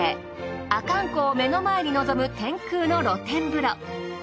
阿寒湖を目の前に臨む天空の露天風呂。